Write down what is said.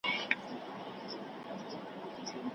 د ګلونو په بستر کي د خزان کیسه کومه